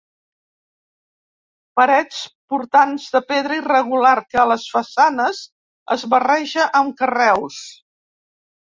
Parets portants de pedra irregular, que a les façanes es barreja amb carreus.